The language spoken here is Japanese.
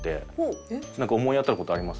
なんか思い当たる事あります？